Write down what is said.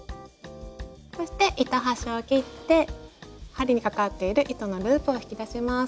そして糸端を切って針にかかっている糸のループを引き出します。